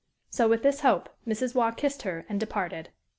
So, with this hope, Mrs. Waugh kissed her and departed.